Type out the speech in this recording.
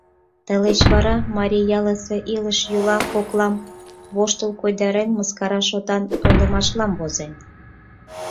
Тылеч вара марий ялласе илыш-йӱла коклам воштыл-койдарен, мыскара шотан ойлымашлам возен.